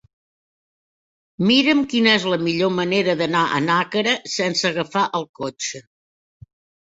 Mira'm quina és la millor manera d'anar a Nàquera sense agafar el cotxe.